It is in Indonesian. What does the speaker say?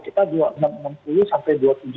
smla ya ini property